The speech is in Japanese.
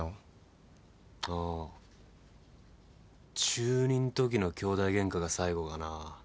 中２んときの兄弟ゲンカが最後かなぁ。